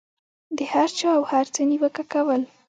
د هر چا او هر څه نیوکه کول.